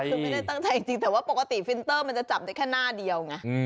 คือไม่ได้ตั้งใจจริงแต่ว่าปกติฟินเตอร์มันจะจับได้แค่หน้าเดียวไง